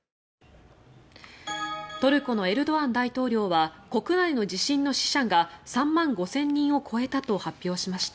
トルコのエルドアン大統領は国内の地震の死者が３万５０００人を超えたと発表しました。